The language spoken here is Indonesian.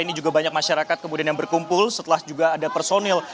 ini juga banyak masyarakat kemudian yang berkumpul setelah juga ada personil